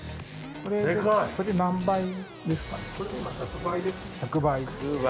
・これで何倍ですか？